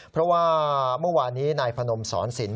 เพราะว่าเมื่อวานนี้นายพนมสอนสิน